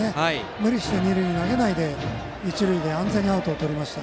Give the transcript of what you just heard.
無理して二塁に投げないで一塁で安全にアウトをとりました。